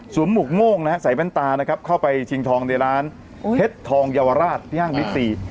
หมวกโม่งนะฮะใส่แว่นตานะครับเข้าไปชิงทองในร้านเพชรทองเยาวราชที่ห้างบิ๊กซี